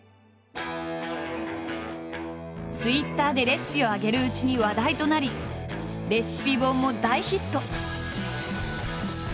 ツイッターでレシピを上げるうちに話題となりレシピ本も大ヒット！